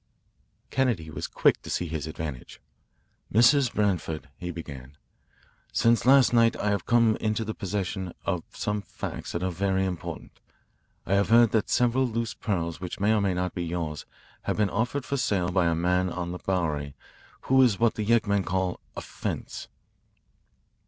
Kennedy was quick to see his advantage. "Mrs. Branford," he began, "since last night I have come into the possession of some facts that are very important. I have heard that several loose pearls which may or may not be yours have been offered for sale by a man on the Bowery who is what the yeggmen call a 'fence.'"